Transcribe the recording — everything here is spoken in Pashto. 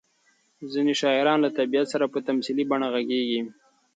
ځینې شاعران له طبیعت سره په تمثیلي بڼه غږېږي.